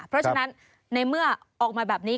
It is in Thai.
เพราะฉะนั้นในเมื่อออกมาแบบนี้